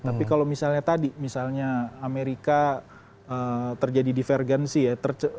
tapi kalau misalnya tadi misalnya amerika terjadi divergensi ya